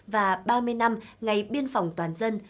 và ba mươi năm ngày biên phòng toàn dân